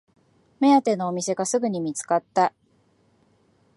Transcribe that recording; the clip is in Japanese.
目当てのお店がすぐに見つかった